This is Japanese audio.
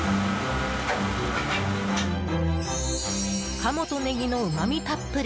鴨とネギのうまみたっぷり！